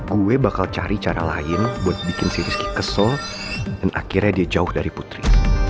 gue bakal cari cara lain buat bikin si rizky kesel dan akhirnya dia jauh dari putri